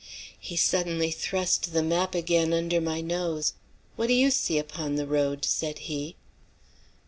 He suddenly thrust the map again under my nose, "What do you see upon the road?" said he.